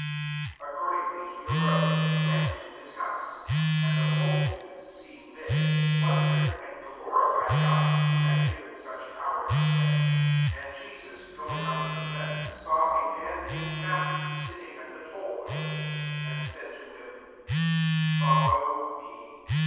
'* 7 Accordingly he arose, and went to his house. 8 And the mul titudes seeing this, wondered, and glorified God, who had giv en such power to men. ' 9 And Jestis going on from thence, saw a man named Mat thew, sitting at the toll office; and said to him, " Follow me.